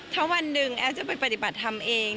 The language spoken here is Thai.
ถ้าวันหนึ่งแอฟจะไปปฏิบัติธรรมเอง